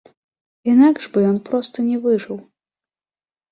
Інакш бы ён проста не выжыў.